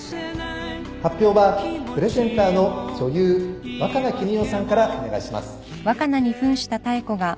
発表はプレゼンターの女優若菜絹代さんからお願いします。